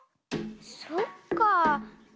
そっかあ。